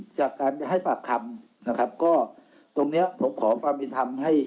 จากการไปให้ปากคำนะครับก็ตรงเนี้ยผมขอความเป็นธรรมให้